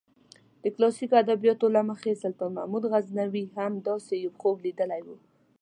د کلاسیکو ادبیاتو له مخې سلطان محمود غزنوي هم داسې یو خوب لیدلی و.